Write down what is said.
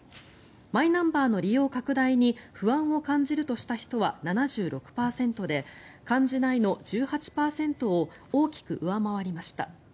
マイナンバーの利用拡大に不安を感じるとした人は７６％で感じないの１８％を大きく上回りました。